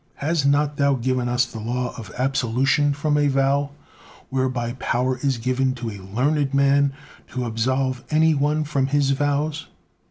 Has not Thou given us the law of absolution from a vow, whereby power is given to a learned man to absolve any one from his vows?